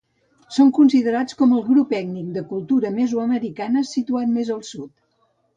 Són considerats com el grup ètnic de cultura mesoamericana situat més al sud.